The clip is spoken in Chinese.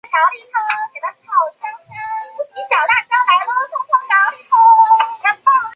先后拥有萨博蒂诺侯爵两个封衔。